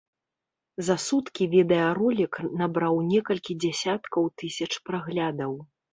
За суткі відэаролік набраў некалькі дзясяткаў тысяч праглядаў.